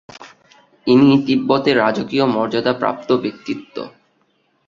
ইনি তিব্বতে রাজকীয় মর্যাদাপ্রাপ্ত ব্যক্তিত্ব।